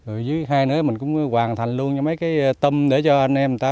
rồi dưới hai nữa mình cũng hoàn thành luôn mấy cái tâm để cho anh em ta